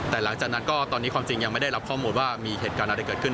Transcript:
แต่หลังจากนั้นก็ตอนนี้ความจริงยังไม่ได้รับข้อมูลว่ามีเหตุการณ์อะไรเกิดขึ้น